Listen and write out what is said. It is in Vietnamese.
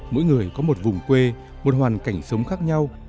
mỗi người có một vùng quê một hoàn cảnh sống khác nhau